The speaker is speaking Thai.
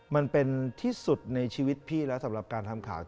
มันเป็นที่สุดในชีวิตพี่แล้วสำหรับการทำข่าว